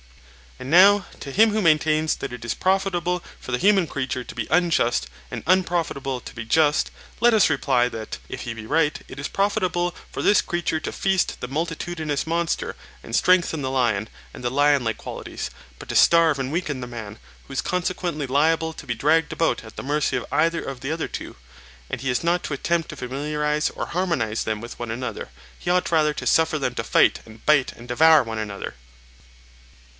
And now, to him who maintains that it is profitable for the human creature to be unjust, and unprofitable to be just, let us reply that, if he be right, it is profitable for this creature to feast the multitudinous monster and strengthen the lion and the lion like qualities, but to starve and weaken the man, who is consequently liable to be dragged about at the mercy of either of the other two; and he is not to attempt to familiarize or harmonize them with one another—he ought rather to suffer them to fight and bite and devour one another.